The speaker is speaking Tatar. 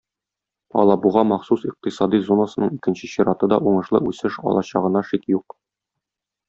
"Алабуга" махсус икътисади зонасының икенче чираты да уңышлы үсеш алачагына шик юк.